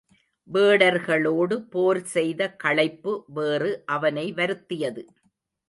வேடர்களோடு போர் செய்த களைப்பு வேறு அவனை வருத்தியது.